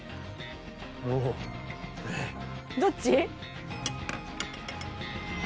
どっち？